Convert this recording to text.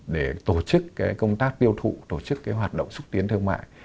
để tổ chức công tác tiêu thụ tổ chức hoạt động xúc tiến thương mại